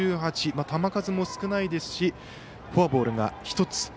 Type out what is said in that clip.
球数も少ないですしフォアボールが１つ。